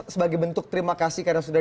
sebagai bentuk terima kasih karena sudah